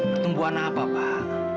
pertumbuhan apa pak